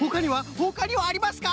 ほかにはありますか？